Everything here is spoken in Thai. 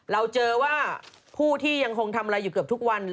เราเจอว่าผู้ที่ยังคงทำอะไรอยู่เกือบทุกวัน